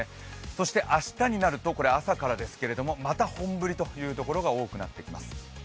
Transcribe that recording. そして明日になると、これ朝ですけれどもまた本降りというところが多くなってきます。